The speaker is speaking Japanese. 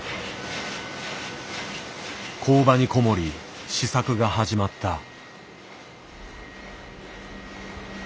工場にこもり試作が始まった。